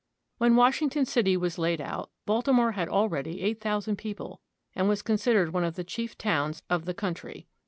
When Washington city was laid out Baltimore had al ready eight thousand people and was considered one of the chief towns of the country.